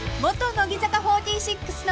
乃木坂４６時代。